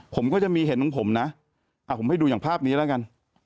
ผมก็จะมีเห็นของผมนะผมให้ดูอย่างภาพนี้แล้วกัน